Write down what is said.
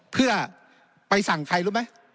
เพื่อไปสั่งใครรู้ไหม